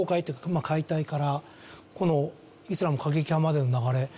解体からこのイスラム過激派までの流れ